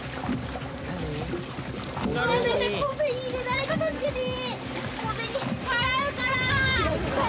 誰か助けて。